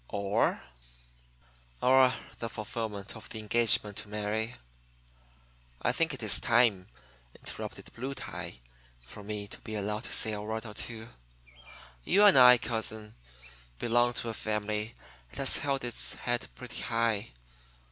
"Or " "Or the fulfillment of the engagement to marry." "I think it is time," interrupted Blue Tie, "for me to be allowed to say a word or two. You and I, cousin, belong to a family that has held its head pretty high.